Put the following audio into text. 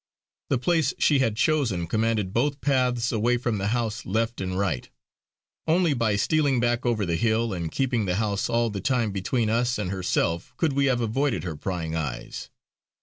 The place she had chosen commanded both paths away from the house left and right; only by stealing back over the hill and keeping the house all the time between us and herself could we have avoided her prying eyes.